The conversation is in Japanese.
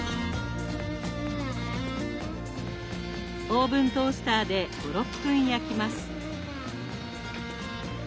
オーブントースターで５６分焼きます。